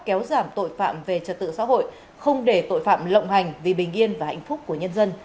kéo giảm tội phạm về trật tự xã hội không để tội phạm lộng hành vì bình yên và hạnh phúc của nhân dân